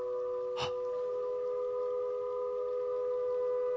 はっ！